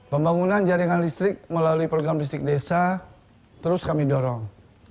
pembangunan jaringan listrik melalui program listrik desa terus kami dorong